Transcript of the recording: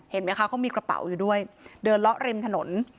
เห็นไหมคะเขามีกระเป๋าอยู่ด้วยเดินเลาะริมถนน